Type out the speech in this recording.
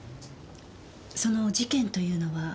その事件というのは？